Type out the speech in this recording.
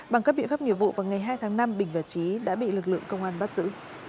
bằng các biện pháp nghiệp vụ vào ngày hai tháng năm bình và trí đã bị lực lượng công an bắt giữ